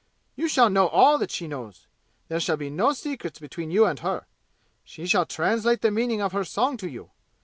You shall know all that she knows! There shall be no secrets between you and her! She shall translate the meaning of her song to you!